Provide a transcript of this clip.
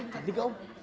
tadi gak om